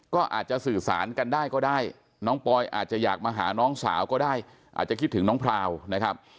ก็อาจจะสื่อสารกันได้ก็ได้น้องปอยอาจจะอยากมาหาน้องสาวก็ได้อาจจะคิดถึงน้องพราวนะครับ